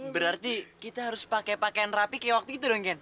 berarti kita harus pakai pakaian rapi kayak waktu itu dong ken